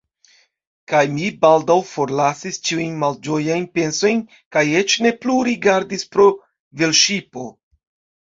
Kaj mi baldaŭ forlasis ĉiujn malĝojajn pensojn, kaj eĉ ne plu rigardis pro velŝipo.